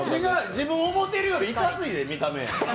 自分、思うてるよりいかついで、見た目。